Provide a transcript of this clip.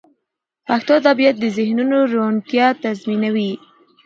پښتو ادبیات د ذهنونو روڼتیا تضمینوي.